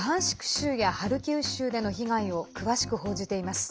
州やハルキウ州での被害を詳しく報じています。